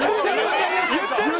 言ってる！